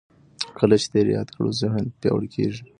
کله چې تېر یاد کړو ذهن پیاوړی کېږي.